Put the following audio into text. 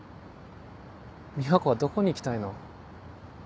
美和子はどこに行きたいの？